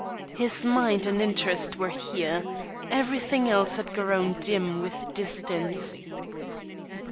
His mind and interest were here; everything else had grown dim with distance.